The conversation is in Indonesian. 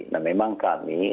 nah memang kami lebih banyak